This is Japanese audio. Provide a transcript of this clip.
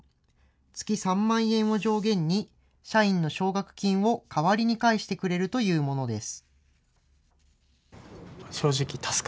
月３万円を上限に、社員の奨学金を代わりに返してくれるというものです。